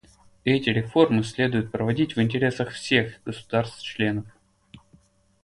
Эти реформы следует проводить в интересах всех государств-членов.